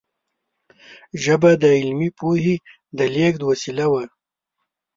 ژبه د علمي پوهې د لېږد وسیله وه.